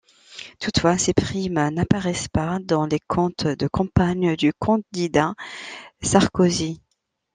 Toutefois, ces primes n'apparaissent pas dans les comptes de campagne du candidat Sarkozy.